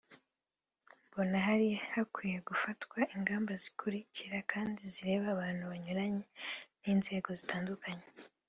mbona hari hakwiye gufatwa ingamba zikurikira kandi zireba abantu banyuranye n’inzego zitandukanye